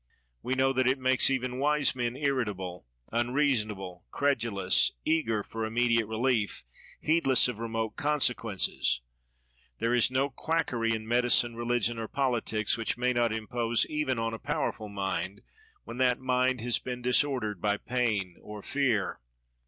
We know that it makes even wise men irritable, unreasonable, credulous, eager for immediate relief, heedless of remote consequences. There is no quackery in medi 128 MACAULAY cine, religion, or polities, which may not impose even on a powerful mind, when that mind has been disordered by pain or fear.